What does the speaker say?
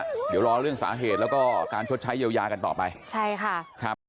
เดี๋ยวรอเรื่องสาเหตุแล้วก็การชดใช้เยียวยากันต่อไปใช่ค่ะครับ